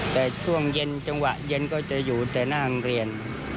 แต่ช่วงเย็นจังหวะเย็นก็จะอยู่แต่หน้าโรงเรียน